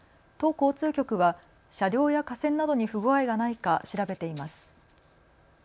交通局は車両や架線などに不具合がないか調べています。